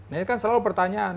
ini kan selalu pertanyaan